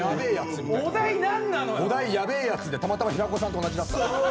お題「やべえヤツ」でたまたま平子さんと同じだった。